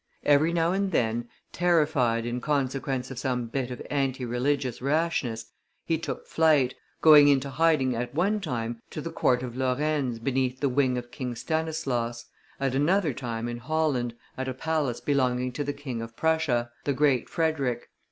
Every now and then, terrified in consequence of some bit of anti religious rashness, he took flight, going into hiding at one time to the court of Lorraine beneath the wing of King Stanislaus, at another time in Holland, at a palace belonging to the King of Prussia, the Great Frederick.